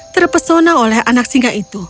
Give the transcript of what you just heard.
terpesona oleh anak singa itu